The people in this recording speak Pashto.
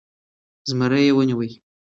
زمری يې و نيوی .